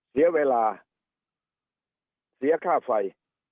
เสียเวลาเสียค่าไฟ